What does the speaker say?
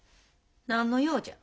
何の用じゃ？